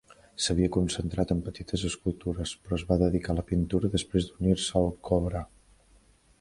S'havia concentrat en petites escultures, però es va dedicar a la pintura després d'unir-se al CoBrA.